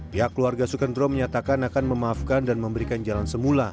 pihak keluarga sukendro menyatakan akan memaafkan dan memberikan jalan semula